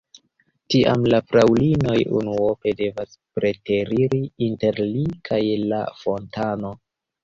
Tiam la fraŭlinoj unuope devas preteriri inter li kaj la fontano.